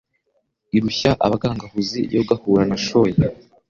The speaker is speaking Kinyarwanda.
Irushya abagangahuzi yogahura nashoye